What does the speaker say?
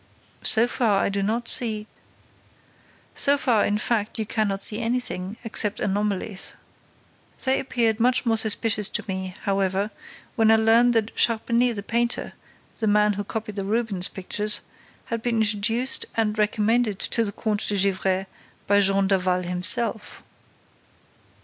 "So far, I do not see—" "So far, in fact, you cannot see anything, except anomalies. They appeared much more suspicious to me, however, when I learned that Charpenais the painter, the man who copied the Rubens pictures, had been introduced and recommended to the Comte de Gesvres by Jean Daval himself."